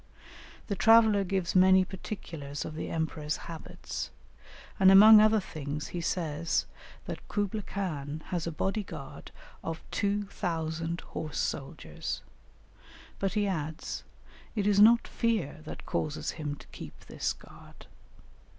The traveller gives many particulars of the emperor's habits, and among other things, he says that Kublaï Khan has a body guard of 2000 horse soldiers; but he adds, "it is not fear that causes him to keep this guard."